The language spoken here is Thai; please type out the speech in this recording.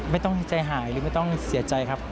ไม่ต้องใจหายหรือไม่ต้องเสียใจครับ